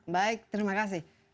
baik terima kasih